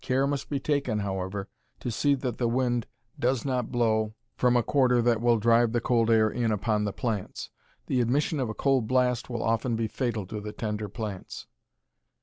Care must be taken, however, to see that the wind does not blow from a quarter that will drive the cold air in upon the plants. The admission of a cold blast will often be fatal to the tender plants.